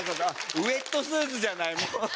ウェットスーツじゃないもう。